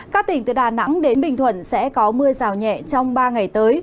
các tỉnh từ đà nẵng đến bình thuận sẽ có mưa rào nhẹ trong ba ngày tới